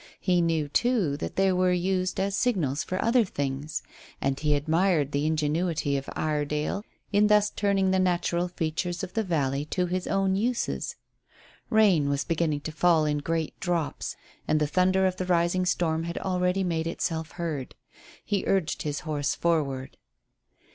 He knew, too, that they were used as signals for other things. And he admired the ingenuity of Iredale in thus turning the natural features of the valley to his own uses. Rain was beginning to fall in great drops, and the thunder of the rising storm had already made itself heard. He urged his horse forward.